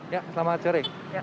ya selamat sore